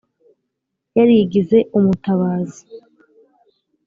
. Yarigize umutabazi